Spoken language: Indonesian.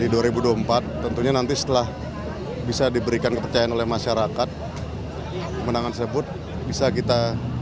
di dua ribu dua puluh empat tentunya nanti setelah bisa diberikan kepercayaan oleh masyarakat kemenangan tersebut bisa kita